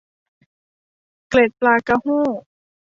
เกล็ดปลากระโห้